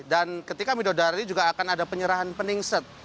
dan ketika midodareni juga akan ada penyerahan peningset